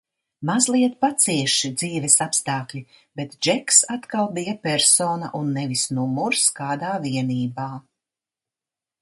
Mazliet pacieši dzīves apstākļi, bet Džeks atkal bija persona un nevis numurs kādā vienībā.